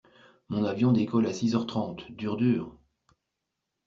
Mon avion décolle à six heure trente, dur dur!